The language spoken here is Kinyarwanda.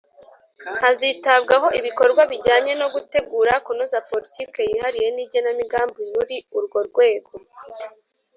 hazitabwaho ibikorwa bijyanye no gutegura/ kunoza politiki yihariye n'igenamigambi muri urwo rwego.